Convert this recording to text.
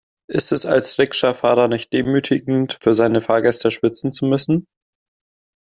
Ist es als Rikscha-Fahrer nicht demütigend, für seine Fahrgäste schwitzen zu müssen?